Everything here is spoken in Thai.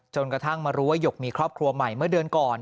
กระทั่งมารู้ว่าหยกมีครอบครัวใหม่เมื่อเดือนก่อน